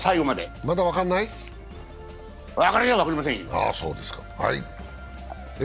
まだ分かりませんよ。